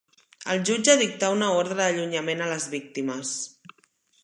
El jutge dictà una ordre d'allunyament a les víctimes.